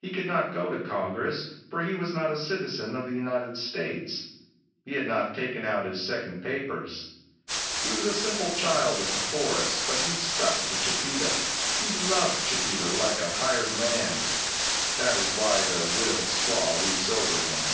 He could not go to Congress, for he was not a citizen of the United States. He had not taken out his second papers. He was a simple child of the forest, but he stuck to Chipeta. He loved Chipeta like a hired man. That is why the widowed squaw weeps over him.